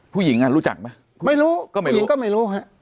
ผู้หญิงอ่ะรู้จักมั้ยไม่รู้ผู้หญิงก็ไม่รู้